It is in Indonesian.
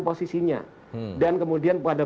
posisinya dan kemudian pada